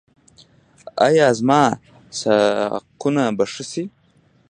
ایا زما ساقونه به ښه شي؟